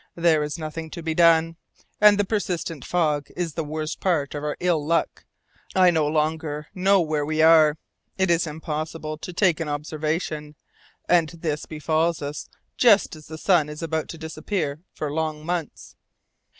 There is nothing to be done, and the persistent fog is the worst part of our ill luck. I no longer know where we are. It is impossible to take an observation, and this befalls us just as the sun is about to disappear for long months."